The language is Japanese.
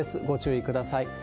ご注意ください。